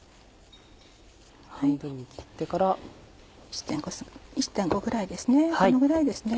半分に切ってから。１．５ぐらいですね